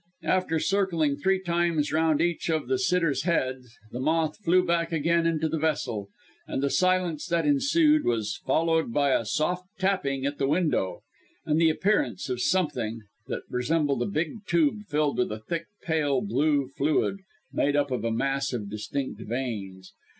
After circling three times round each of the sitter's heads, the moth flew back again into the vessel, and the silence that ensued was followed by a soft tapping at the window, and the appearance of something, that resembled a big tube filled with a thick, pale blue fluid, made up of a mass of distinct veins.